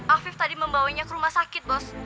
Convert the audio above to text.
afif tadi membawanya ke rumah sakit bos